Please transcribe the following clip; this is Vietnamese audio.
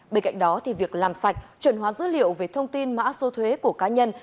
bên cạnh đó việc làm sạch chuẩn hóa dữ liệu về thông tin mã số thuế của cá nhân